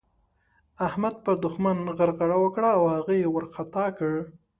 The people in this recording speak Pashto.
احمد پر دوښمن غرغړه وکړه او هغه يې وارخطا کړ.